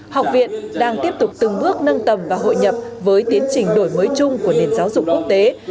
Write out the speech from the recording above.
học viện đang tiếp tục từng bước nâng tầm và hội nhập với tiến trình đổi mới chung của nền giáo dục quốc tế